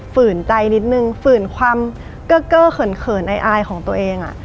ฝืนใจนิดนึงฝืนความเก้อเขินอายของตัวเอง